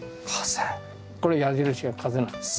これ矢印が風なんです。